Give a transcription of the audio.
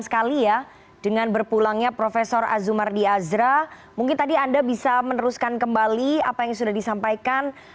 sekali ya dengan berpulangnya prof azumardi azra mungkin tadi anda bisa meneruskan kembali apa yang sudah disampaikan